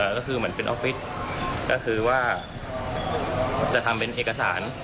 ก็คือเหมือนเป็นออฟฟิศก็คือว่าจะทำเป็นเอกสาร